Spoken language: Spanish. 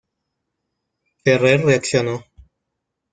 Ferrer reaccionó.